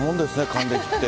還暦って。